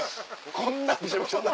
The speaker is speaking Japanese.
こんなビショビショで。